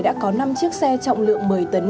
đã có năm chiếc xe trọng lượng một mươi tấn